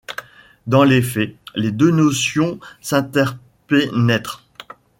Dans les faits les deux notions s'interpénètrent.